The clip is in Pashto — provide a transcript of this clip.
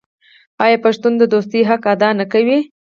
آیا پښتون د دوستۍ حق ادا نه کوي؟